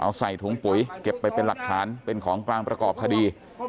เอาใส่ถุงปุ๋ยเก็บไปเป็นหลักฐานเป็นของกลางประกอบคดี